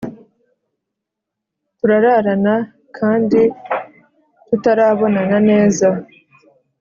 Turarana kandi tutarabonana neza